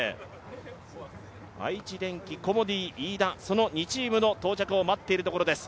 愛知電機、コモディイイダ、その２チームの到着を待っているところです。